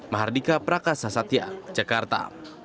mahardika prakas sasatya jakarta